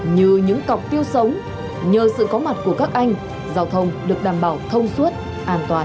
như những cọc tiêu sống nhờ sự có mặt của các anh giao thông được đảm bảo thông suốt an toàn